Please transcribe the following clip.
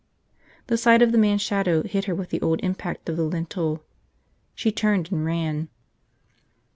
The sight of the man's shadow hit her with the old impact of the lintel. She turned and ran.